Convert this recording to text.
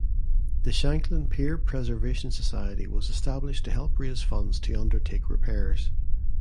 The Shanklin Pier Preservation Society was established to help raise funds to undertake repairs.